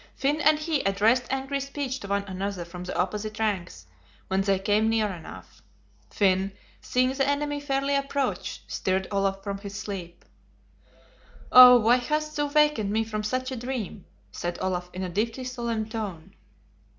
Finn and he addressed angry speech to one another from the opposite ranks, when they came near enough. Finn, seeing the enemy fairly approach, stirred Olaf from his sleep. "Oh, why hast thou wakened me from such a dream?" said Olaf, in a deeply solemn tone.